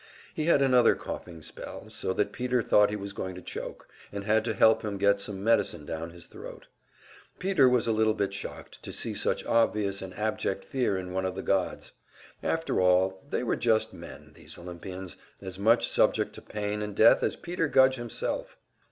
He had another coughing spell, so that Peter thought he was going to choke, and had to help him get some medicine down his throat. Peter was a little bit shocked to see such obvious and abject fear in one of the gods. After all, they were just men, these Olympians, as much subject to pain and death as Peter Gudge himself!